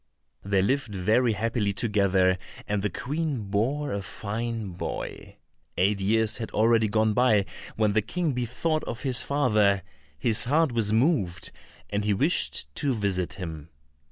They lived very happily together, and the Queen bore a fine boy. Eight years had already gone by, when the King bethought him of his father; his heart was moved, and he wished to visit him.